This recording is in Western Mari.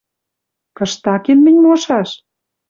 — Кыштакен мӹнь мошаш